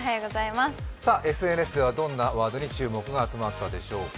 ＳＮＳではどんなワードに注目が集まったでしょうか。